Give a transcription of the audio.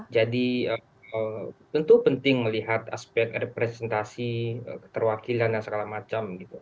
jadi tentu penting melihat aspek representasi terwakilan dan segala macam